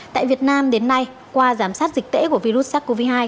tại việt nam đến nay qua giám sát dịch tễ của virus sars cov hai